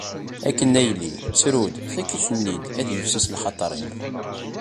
Akken a yelli, ttru-d, fakk-iten-id ad yifsus lxaṭer-im.